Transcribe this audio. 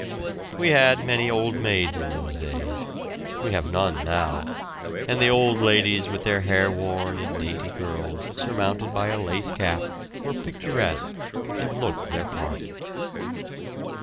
We had many old maids in those days we have none now and the old ladies with their hair worn in dainty curls surmounted by a lace cap were picturesque, and looked their part.